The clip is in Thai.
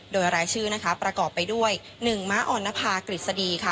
โดยรายชื่อนะคะประกอบไปด้วย๑ม้าอ่อนนภากฤษฎีค่ะ